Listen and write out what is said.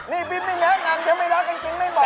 นี่บิ๊บนี่เนื้อหนังเดี๋ยวไม่รักจริงไม่บอกนะ